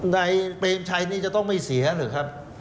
นายเปรมชัยนี่จะต้องไม่เสียหรือครับ